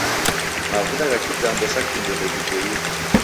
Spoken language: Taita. Mavuda gha kigando sa Kimbo ndeghiboie.